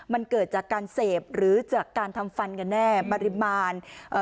มันเกิดจากการเสพหรือจากการทำฟันกันแน่ปริมาณเอ่อ